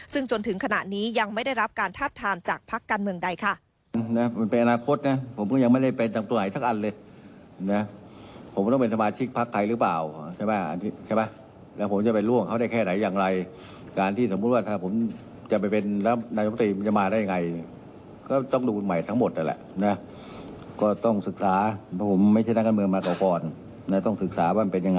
ซึ่งจนถึงขณะนี้ยังไม่ได้รับการทาบทามจากพักการเมืองใดค่ะ